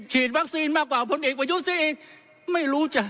วัคซีนมากกว่าพลเอกประยุทธ์ซะเองไม่รู้จ้ะ